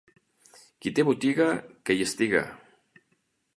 Qui té botiga, que hi estiga.